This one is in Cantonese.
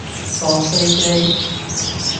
放飛機